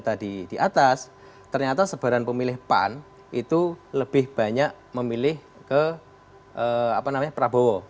jadi yang pilih pan itu lebih banyak memilih ke apa namanya prabowo